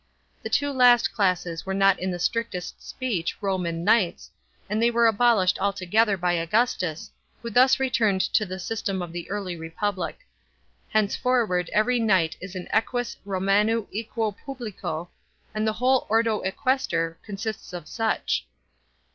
The two last classes were not in the strictest speech Roman knights, and they were abolished altogether by Augustus, who thus returned to the system of the early Republic. Henceforward every knight is an eques Romanui equo publico* and the whole ordo equester consists of such.